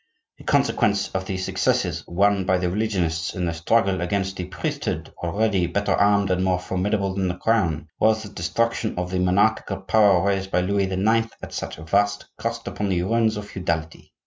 The consequence of the successes won by the religionists in their struggle against the priesthood (already better armed and more formidable than the Crown) was the destruction of the monarchical power raised by Louis IX. at such vast cost upon the ruins of feudality.